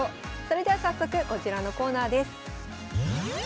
それでは早速こちらのコーナーです。